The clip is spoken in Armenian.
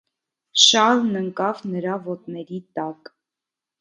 շալն ընկավ նրա ոտների տակ: